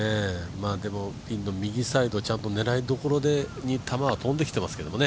ピンの右サイドちゃんと狙い所に球は飛んできてますけどね。